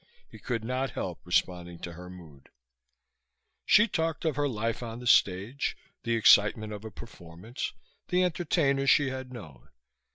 He could not help responding to her mood. She talked of her life on the stage, the excitement of a performance, the entertainers she had known.